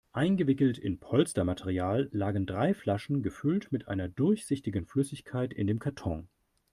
Eingewickelt in Polstermaterial lagen drei Flaschen, gefüllt mit einer durchsichtigen Flüssigkeit, in dem Karton.